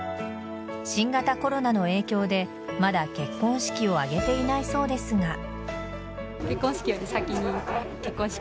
新型コロナの影響でまだ結婚式を挙げていないそうですが。